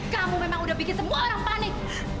kamu memang udah bikin semua orang panik